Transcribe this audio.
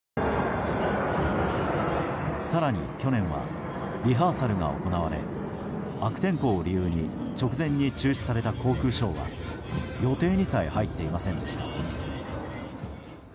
更に、去年はリハーサルが行われ悪天候を理由に直前に中止された航空ショーは予定にさえ入っていませんでした。